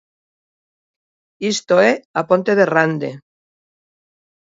Isto é a ponte de Rande.